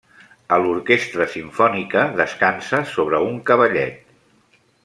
A l'orquestra simfònica descansa sobre un cavallet.